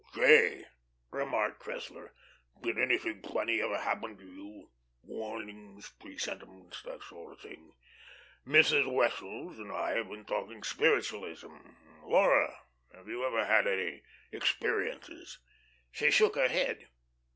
"J.," remarked Cressler, "did anything funny ever happen to you warnings, presentiments, that sort of thing? Mrs. Wessels and I have been talking spiritualism. Laura, have you ever had any 'experiences'?" She shook her head.